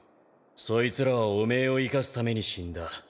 そいつらはお前を生かすために死んだ。